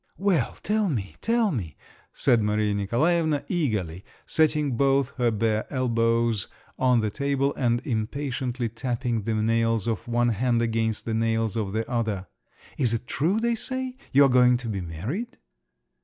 "Well, tell me, tell me," said Maria Nikolaevna eagerly, setting both her bare elbows on the table and impatiently tapping the nails of one hand against the nails of the other, "Is it true, they say, you are going to be married?"